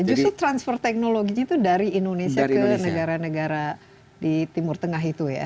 justru transfer teknologinya itu dari indonesia ke negara negara di timur tengah itu ya